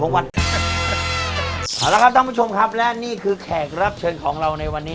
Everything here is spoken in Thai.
เอาละครับท่านผู้ชมครับและนี่คือแขกรับเชิญของเราในวันนี้